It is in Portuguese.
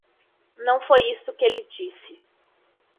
Não foi isto que ele disse.